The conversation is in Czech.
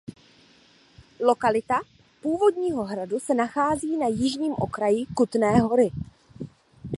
Lokalita původního hradu se nachází na jižním okraji Kutné Hory.